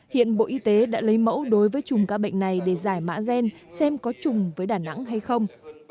hiện bộ y tế đã lấy mẫu đối với chùm các bệnh này để giải mã gen xem có chùng với đà nẵng hay không